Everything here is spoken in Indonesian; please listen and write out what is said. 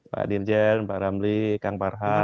pak dirjen pak ramli kang farhan